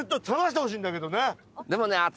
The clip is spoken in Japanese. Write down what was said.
冷ましてほしいんだけどね。